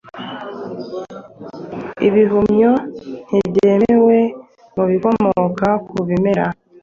Ibihumyo ntibyemewe mu ibikomoka ku bimera,